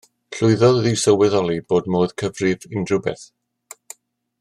Llwyddodd i sylweddoli bod modd cyfri unrhyw beth